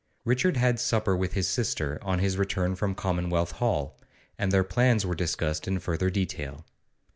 Richard had supper with his sister on his return from Commonwealth Hall, and their plans were discussed in further detail.